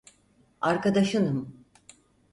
Arkadaşınım.